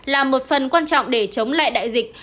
là một phần quan trọng để chống lại đại dịch